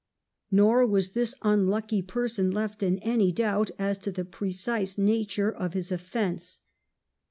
Nor was this unlucky person left in any doubt as to the precise nature of his oflFence.